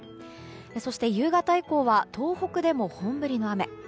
そして、夕方以降は東北でも本降りの雨。